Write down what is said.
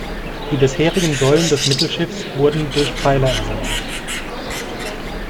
Die bisherigen Säulen des Mittelschiffs wurden durch Pfeiler ersetzt.